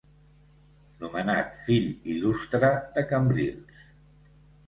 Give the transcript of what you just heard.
Nomenat fill il·lustre de Cambrils.